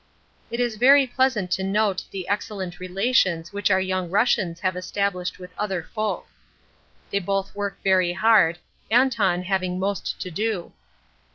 It is very pleasant to note the excellent relations which our young Russians have established with other folk; they both work very hard, Anton having most to do.